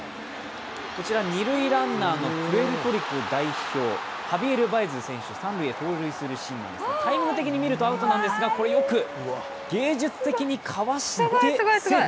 二塁ランナーのプエルトリコ代表、ハビエル・バエズ選手、三塁へ盗塁するシーンなんですが、タイミング的に見るとアウトなんですが芸術的にかわしてセーフ。